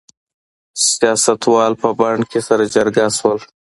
سیاستوال په بن کې سره جرګه شول.